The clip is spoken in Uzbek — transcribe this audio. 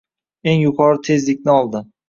eng yuqori tezlikni oldi.